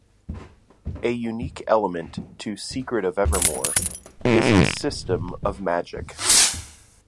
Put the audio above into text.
A unique element to "Secret of Evermore" is its system of magic.